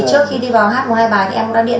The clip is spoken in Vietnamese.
trước khi đi vào hát mùa hai bài thì em đã điện